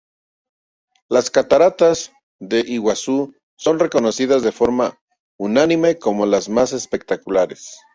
Las cataratas del Iguazú son reconocidas de forma unánime como las más espectaculares.